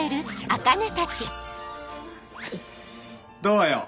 どうよ？